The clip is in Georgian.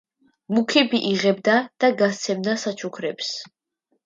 მუქიბი იღებდა და გასცემდა საჩუქრებს.